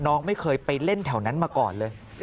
น้องไม่เคยไปเล่นแถวนั้นมาก่อนเลย